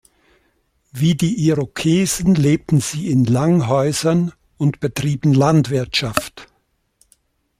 Wie die Irokesen lebten sie in Langhäusern und betrieben Landwirtschaft.